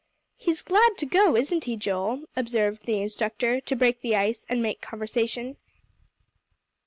"He's glad to go, isn't he, Joel?" observed the instructor, to break the ice, and make conversation.